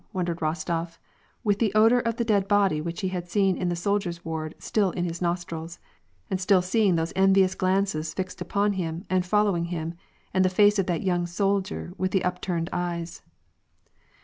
" wondered Kostof, with the odor of the dead body which he had seen in the soldiers' ward still in his nostrils, and still seeing those envious glances fixed upon him and fol lowing him, and the face of that young soldier with the up turned eyes.